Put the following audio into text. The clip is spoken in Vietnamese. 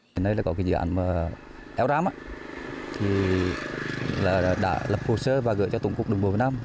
hiện nay có dự án eo ram đã lập hồ sơ và gửi cho tổng cục đường bộ việt nam